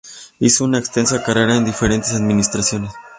Hizo una extensa carrera en diferentes administraciones.